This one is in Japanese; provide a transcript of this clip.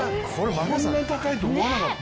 こんな高いと思わなかった。